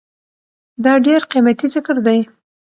دا ډير قيمتي ذکر دی